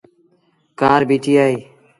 ڪآر بيٚٺيٚ اهي۔